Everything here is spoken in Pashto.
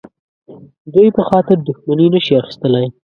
دوی په خاطر دښمني نه شي اخیستلای.